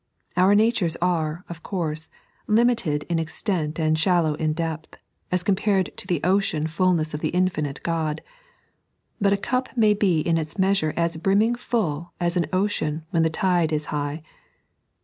Our natures are, of course, limited in extent and shallow in depth, aa compared to the ocean fulness of the Infinite Qod ; but a cnp may be in its measure as brimming full as an ocean when the tide is high.